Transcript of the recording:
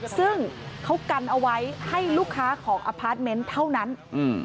ซึ่งเขากันเอาไว้ให้ลูกค้าของอพาร์ทเมนต์เท่านั้น